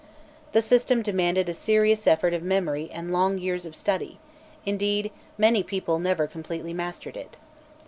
The system demanded a serious effort of memory and long years of study; indeed, many people never completely mastered it.